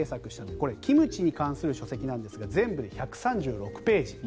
これキムチに関する書籍なんですが全部で１３６ページに